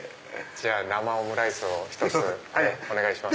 じゃあ生オムライスを１つお願いします。